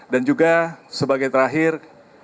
dan juga sebagai terakhir